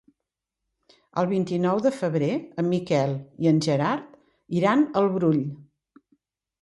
El vint-i-nou de febrer en Miquel i en Gerard iran al Brull.